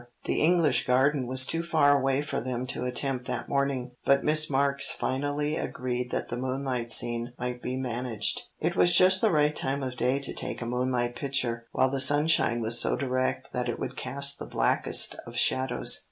The English garden was too far away for them to attempt that morning, but Miss Marks finally agreed that the moonlight scene might be managed. It was just the right time of day to take a moonlight picture, while the sunshine was so direct that it would cast the blackest of shadows.